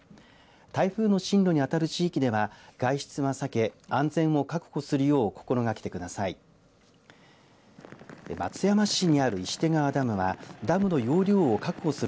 台風の進路にあたる地域では外出は避け安全を確保するよう心掛けてください。